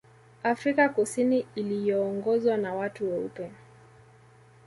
Afrika Kusini iliyoongozwa na watu weupe